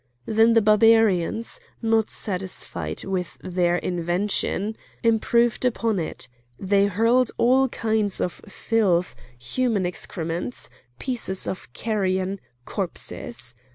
Then the Barbarians, not satisfied with their invention, improved upon it; they hurled all kinds of filth, human excrements, pieces of carrion, corpses.